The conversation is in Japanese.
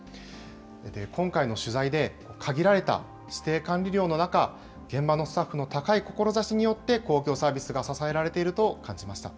今回の取材で、限られた指定管理料の中、現場のスタッフの高い志によって、公共サービスが支えられていると感じました。